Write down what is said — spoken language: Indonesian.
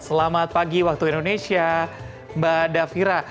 selamat pagi waktu indonesia mbak davira